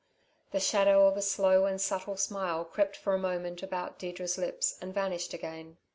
The shadow of a slow and subtle smile crept for a moment about Deirdre's lips and vanished again.